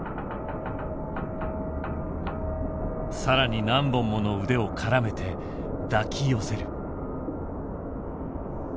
更に何本もの腕を絡めて抱き寄せる。